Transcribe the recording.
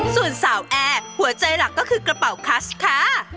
ส่วนสาวแอร์หัวใจหลักก็คือกระเป๋าคัชค่ะ